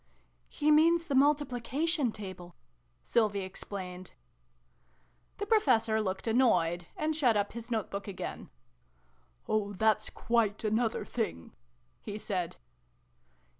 " He means the multiplication table," Sylvie explained. The Professor looked annoyed, and shut up his note book again. " Oh, that's quite another thing," he said.